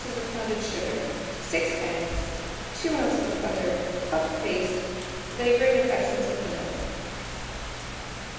of pounded sugar, 6 eggs, 2 oz. of butter, puff paste, flavouring of essence of vanilla.